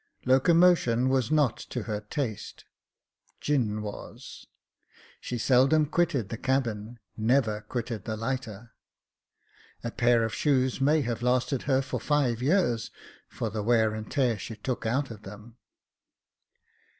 Locomotion was not to her taste — gin was. She seldom quitted the cabin — never quitted the lighter : a pair of shoes may have lasted her for five years, for the wear and tear that she took out of them.